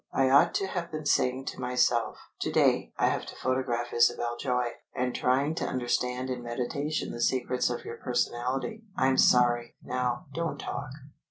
I ought to have been saying to myself, 'To day I have to photograph Isabel Joy,' and trying to understand in meditation the secrets of your personality. I'm sorry! Now, don't talk.